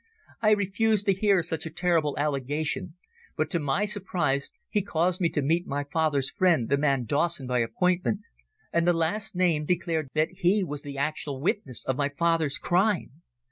I refused to hear such a terrible allegation, but to my surprise he caused me to meet my father's friend, the man Dawson, by appointment, and the last named declared that he was the actual witness of my father's crime.